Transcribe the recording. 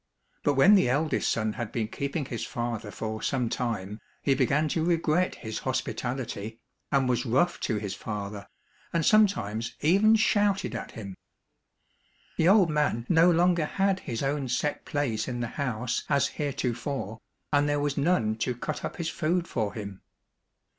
But when the eldest son had been keeping his father for some time he began to regret his hospitality, and was rough to his father, and sometimes even shouted at him. The old man no longer had his own set place in the house as heretofore, and there was none to cut up his food for him.